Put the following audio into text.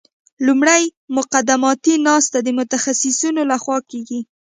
لومړی مقدماتي ناستې د متخصصینو لخوا کیږي